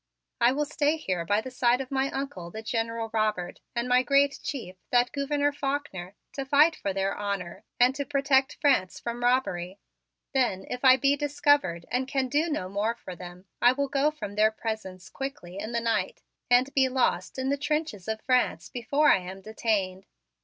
I will stay here by the side of my Uncle, the General Robert, and my great chief, that Gouverneur Faulkner, to fight for their honor and to protect France from robbery. Then, if I be discovered and can do no more for them, I will go from their presence quickly in the night and be lost in the trenches of France before I am detained.